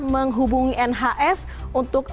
menghubungi nhs untuk